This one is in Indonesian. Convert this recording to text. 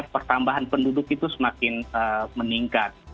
pertambahan penduduk itu semakin meningkat